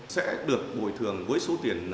sẽ được bồi thường với số tiền một mươi tám tỷ đồng